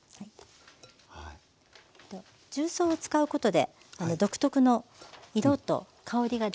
重曹を使うことで独特の色と香りが出ますので。